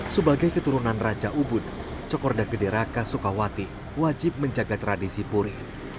sebagai keturunan raja ubud cokorda gedera kasukawati wajib menjaga tradisi puri